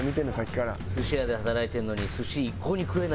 寿司屋で働いてるのに寿司一向に食えない。